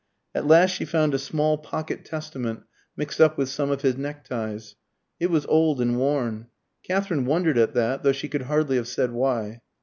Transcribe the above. At last she found a small pocket Testament mixed up with some of his neckties. It was old and worn. Katherine wondered at that, though she could hardly have said why.